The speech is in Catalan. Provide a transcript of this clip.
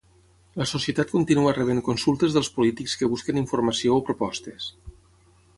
La Societat continua rebent consultes dels polítics que busquen informació o propostes.